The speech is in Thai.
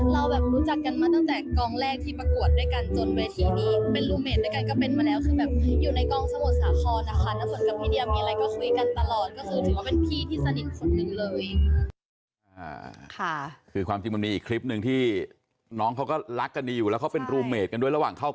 เราแบบรู้จักกันมาตั้งแต่กองแรกที่ประกวดด้วยกันจนไปที่นี่เป็นรูเมดด้วยกันก็เป็นมาแล้วคือแบบอยู่ในกองสะหมดสาคอนนะคะ